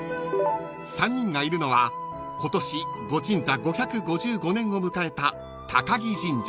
［３人がいるのは今年御鎮座５５５年を迎えた］